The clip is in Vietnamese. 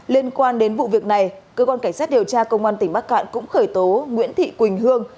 liên quan đến vụ việc này cơ quan cảnh sát điều tra công an tỉnh bắc cạn cũng khởi tố nguyễn thị quỳnh hương